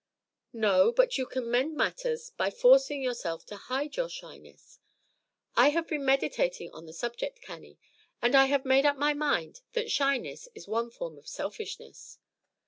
"No; but you can mend matters by forcing yourself to hide your shyness. I have been meditating on the subject, Cannie, and I have made up my mind that shyness is one form of selfishness."